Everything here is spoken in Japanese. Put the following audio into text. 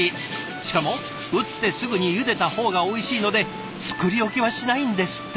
しかも打ってすぐにゆでた方がおいしいので作り置きはしないんですって。